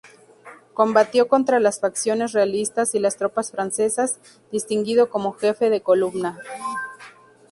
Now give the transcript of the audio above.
Combatió contra las facciones realistas y las tropas francesas, distinguido como jefe de columna.